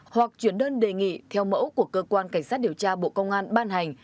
hoặc chuyển đơn đề nghị theo mẫu của cơ quan cảnh sát điều tra bộ công an ban hành